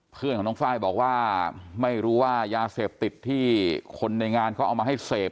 เพื่อนของน้องไฟล์บอกว่าไม่รู้ว่ายาเสพติดที่คนในงานเขาเอามาให้เสพ